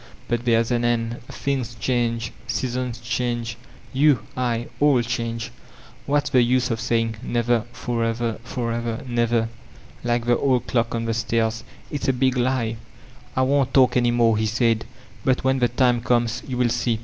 But there is an end. Things change, seasons change, you, I, all change ; what's the use of saying 'Never — forever, forever — never/ like the old clock on the stairs? It's a big lie." "I won't talk any more," he said, '1)ut when the tnoe comes you will see."